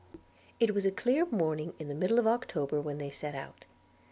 It was a clear morning in the middle of October when they set out.